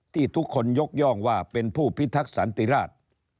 ที่ทุกคนยกย่องว่าเป็นผู้พิทักษันติราช